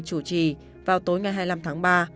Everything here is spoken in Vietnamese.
chủ trì vào tối ngày hai mươi năm tháng ba